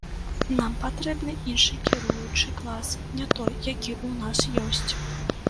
Нам патрэбны іншы кіруючы клас, не той, які ў нас ёсць.